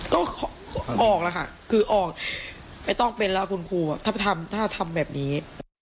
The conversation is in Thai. ก็ออกแล้วค่ะคือออกไม่ต้องเป็นแล้วคุณครูถ้าทำแบบนี้